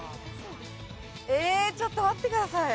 ええちょっと待ってください。